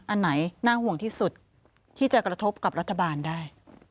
อันไหนน่าห่วงที่สุดที่จะกระทบกับรัฐบาลได้